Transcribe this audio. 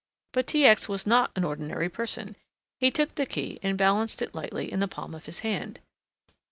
But T. X. was not an ordinary person. He took the key and balanced it lightly in the palm of his hand.